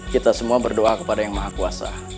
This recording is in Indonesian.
kita semua berdoa kepada yang maha kuasa